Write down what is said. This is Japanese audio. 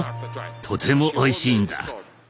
とてもおいしいんだ。